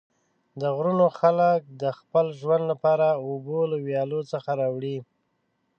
د غرونو خلک د خپل ژوند لپاره اوبه له ویالو څخه راوړي.